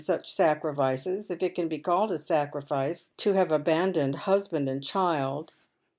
Buch eacrffices, — if it can be called a sacrifice to havfi abanc^oned husband and child.